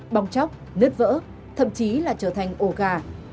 bóng chóc nứt vỡ thậm chí là trở thành ồ gà